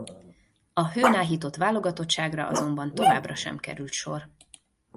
A hőn áhított válogatottságra azonban továbbra sem került sor.